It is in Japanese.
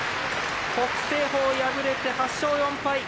北青鵬、敗れて８勝４敗。